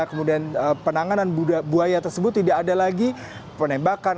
kemudian penanganan buaya tersebut tidak ada lagi penembakan